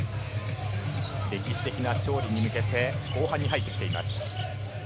歴史的な勝利に向けて、後半に入ってきています。